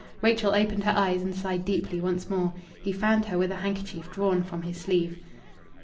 Rachel opened her eyes and sighed deeply once more. He fanned her with a handkerchief drawn from his sleeve.